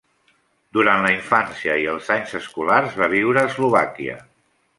Durant la infància i els anys escolars va viure a Eslovàquia.